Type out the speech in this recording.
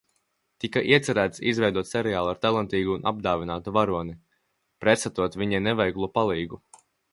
Tika iecerēts izveidot seriālu ar talantīgu un apdāvinātu varoni, pretstatot viņai neveiklo palīgu.